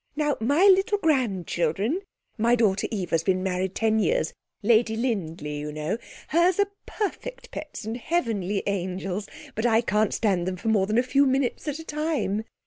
Now my little grandchildren my daughter Eva's been married ten years Lady Lindley, you know hers are perfect pets and heavenly angels, but I can't stand them for more than a few minutes at a time.